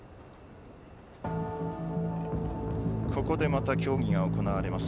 ここでまた協議が行われます。